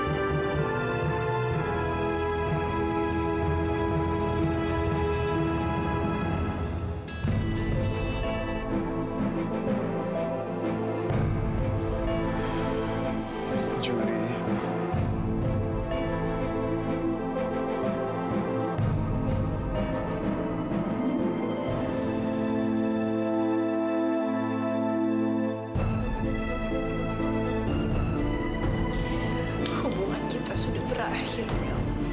semua kita sudah berakhir miel